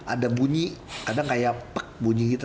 ada bunyi kadang kayak bunyi gitu